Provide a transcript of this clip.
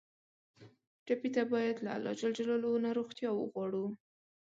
ټپي ته باید له الله نه روغتیا وغواړو.